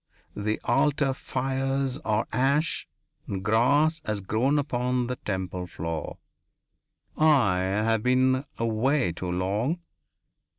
The altar fires are ash and grass has grown upon the temple floor I have been away too long.